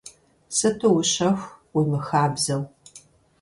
Сыту ущэху, уимыхабзэу.